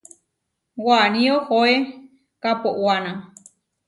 Waní ohoé kaʼpowána.